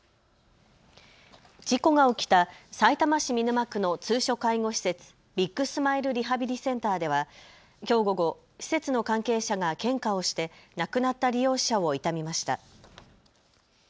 事故が起きたさいたま市見沼区の通所介護施設、ビッグスマイルリハビリセンターではきょう午後、施設の関係者が献花をして亡くなった利用者を悼みました。